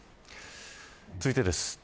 続いてです。